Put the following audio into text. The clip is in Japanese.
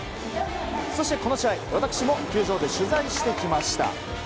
そして、この試合私も球場で取材してきました。